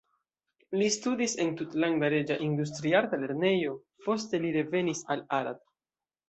Li studis en Tutlanda Reĝa Industriarta Lernejo, poste li revenis al Arad.